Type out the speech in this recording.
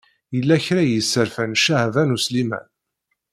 Yella kra i yesserfan Caɛban U Sliman.